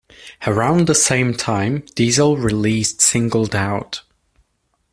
Around the same time, Diesel released "Singled Out".